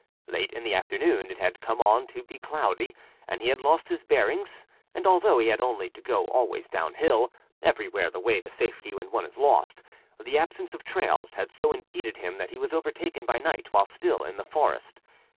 Late in the afternoon it had come on to be cloudy, and he had lost his bearings; and although he had only to go always downhillâeverywhere the way to safety when one is lostâthe absence of trails had so impeded him that he was overtaken by night while still in the forest.